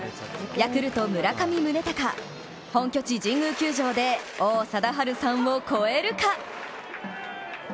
ヤクルト・村上宗隆、本拠地、神宮球場で王貞治さんを超えるか？